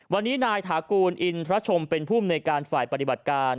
วันนี้นายถากูลอินทรชมเป็นภูมิในการฝ่ายปฏิบัติการ